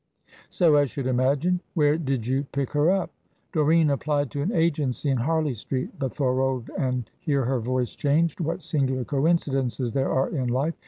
"So I should imagine. Where did you pick her up?" "Doreen applied to an agency in Harley Street. But Thorold," and here her voice changed, "what singular coincidences there are in life!